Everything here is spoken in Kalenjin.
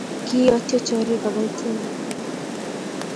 kiiotyo chorik kiboitinik